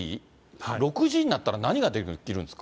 ６Ｇになったら、何ができるんですか？